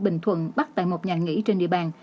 bình thuận bắt tại một nhà nghỉ trên địa bàn